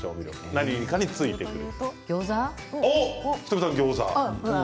何かについている。